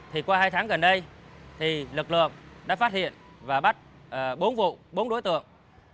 thì qua hai tháng gần đây thì lực lượng đã phát hiện và bắt bốn vụ bốn đối tượng